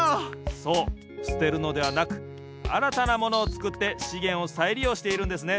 そうすてるのではなくあらたなものをつくってしげんをさいりようしているんですね。